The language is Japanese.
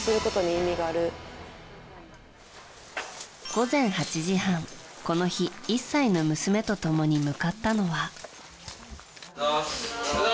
午前８時半、この日１歳の娘と共に向かったのは。